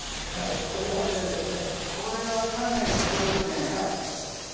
これは鍛錬が必要ですね。